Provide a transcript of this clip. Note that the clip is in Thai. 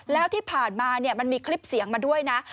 แล้วที่ผ่านมามันมีคลิปเสียงมาด้วยนะ